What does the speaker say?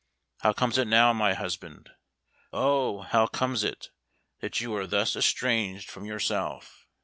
How comes it now, my husband, O, how comes it, that you are thus estranged from yourself?